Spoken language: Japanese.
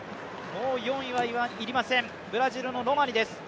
もう４位は要りません、ブラジルのロマニです。